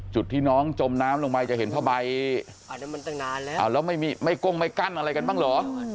จุดที่น้องจมน้ำลงไปจะเห็นผ้าใบแล้วไม่ก้งไม่กั้นอะไรกันบ้างเหรอ